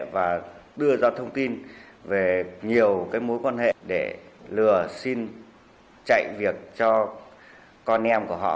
và đưa ra thông tin về nhiều mối quan hệ để lừa xin chạy việc cho con em của họ